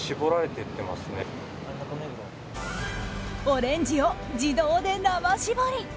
オレンジを自動で生搾り。